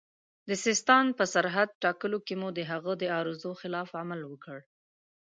د سیستان په سرحد ټاکلو کې مو د هغه د ارزو خلاف عمل وکړ.